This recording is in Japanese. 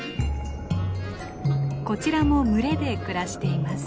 こちらも群れで暮らしています。